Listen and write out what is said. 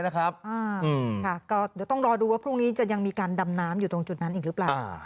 เดี๋ยวต้องรอดูว่าพรุ่งนี้จะยังมีการดำน้ำอยู่ตรงจุดนั้นอีกหรือเปล่า